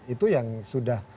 itu yang sudah